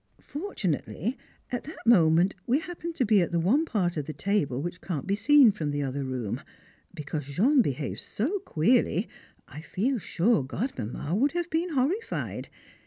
Fortunately at that moment we happened to be at the one part of the table which can't be seen from the other room; because Jean behaved so queerly I feel sure Godmamma would have been horrified.